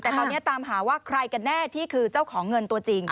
แต่ตอนนี้ตามหาว่าใครกันแน่ที่คือเจ้าของเงินตัวจริง